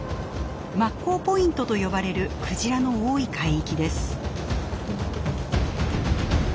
マッコウポイントと呼ばれるクジラの多い海域です。